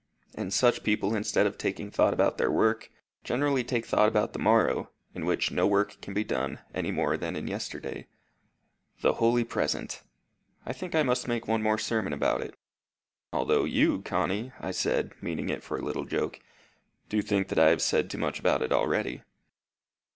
And such people, instead of taking thought about their work, generally take thought about the morrow, in which no work can be done any more than in yesterday. The Holy Present! I think I must make one more sermon about it although you, Connie," I said, meaning it for a little joke, "do think that I have said too much about it already."